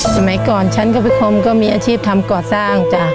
สมัยก่อนฉันก็มีอาชีพทำก่อสร้างจ้ะ